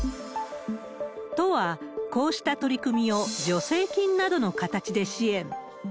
都は、こうした取り組みを助成金などを形で支援。